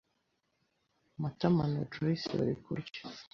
Matama na Joyci bari kurya.